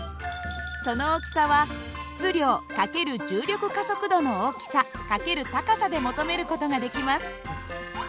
その大きさは質量掛ける重力加速度の大きさ掛ける高さで求める事ができます。